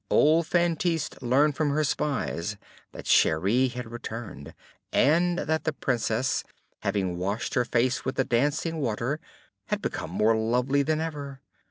Old Feintise learned from her spies that Cheri had returned, and that the Princess, having washed her face with the dancing water, had become more lovely than ever.